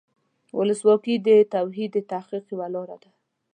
ولسواکي د توحید د تحقق یوه لاره ده.